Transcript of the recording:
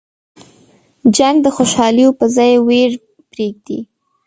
جنګ د خوشحالیو په ځای ویر پرېږدي.